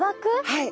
はい。